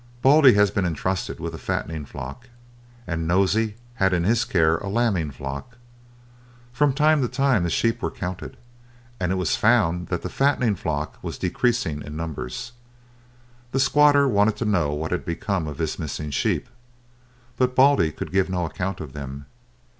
Baldy had been entrusted with a fattening flock, and Nosey had in his care a lambing flock. From time to time the sheep were counted, and it was found that the fattening flock was decreasing in numbers. The squatter wanted to know what had become of his missing sheep, but Baldy could give no account of them.